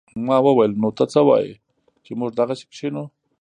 ما وويل نو ته څه وايې چې موږ دغسې کښينو.